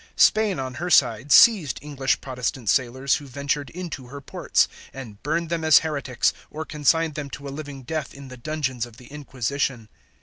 Spain on her side seized English Protestant sailors who ventured into her ports, and burned them as heretics, or consigned them to a living death in the dungeons of the Inquisition.